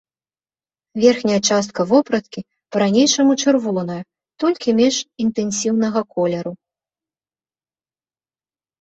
Верхняя частка вопраткі па-ранейшаму чырвоная, толькі менш інтэнсіўнага колеру.